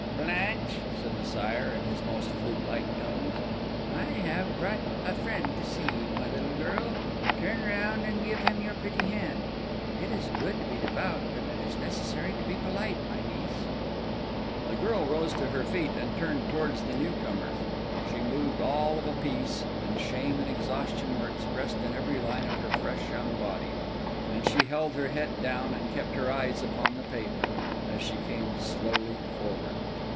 "Blanche," said the Sire, in his most flute like tones, "I have brought a friend to see you, my little girl; turn round and give him your pretty hand. It is good to be devout; but it is necessary to be polite, my niece." The girl rose to her feet and turned towards the new comers. She moved all of a piece; and shame and exhaustion were expressed in every line of her fresh young body; and she held her head down and kept her eyes upon the pavement, as she came slowly forward.